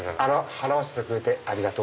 払わせてくれてありがとう。